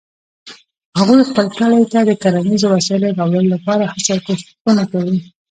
هغوی خپل کلي ته د کرنیزو وسایلو راوړلو لپاره هڅې او کوښښونه کوي